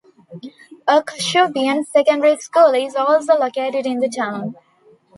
A Kashubian Secondary School is also located in the town.